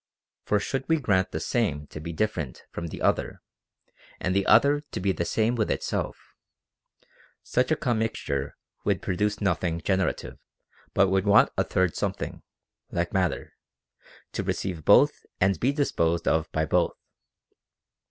For should we grant the Same to be different from the Other, and the Other to be the Same with itself, such a commixture would produce nothing generative, but would want a third something, like mat ter, to receive both and be disposed of by both.